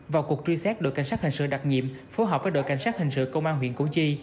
vào cuộc truy xét đội cảnh sát hình sự đặc nhiệm phối hợp với đội cảnh sát hình sự công an huyện củ chi